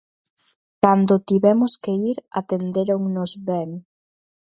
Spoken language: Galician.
Cando tivemos que ir atendéronnos ben.